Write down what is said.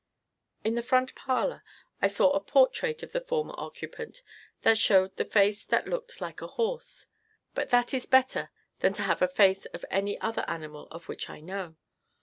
In the front parlor, I saw a portrait of the former occupant that showed "the face that looked like a horse." But that is better than to have the face of any other animal of which I know.